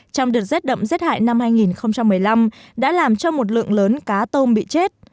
trong đợt rét đậm rét hại năm hai nghìn một mươi năm đã làm cho một lượng lớn cá tôm bị chết